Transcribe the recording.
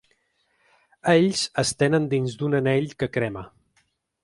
Ells es tenen dins d’un anell que crema.